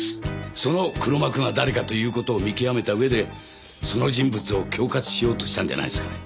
その黒幕が誰かという事を見極めた上でその人物を恐喝しようとしたんじゃないですかね。